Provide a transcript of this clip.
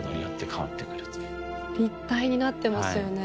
立体になってますよね。